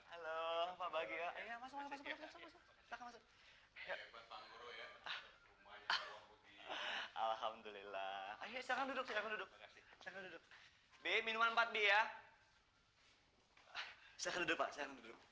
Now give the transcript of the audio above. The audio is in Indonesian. alhamdulillah duduk duduk minuman empat b ya